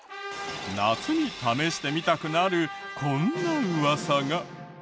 夏に試してみたくなるこんなウワサが。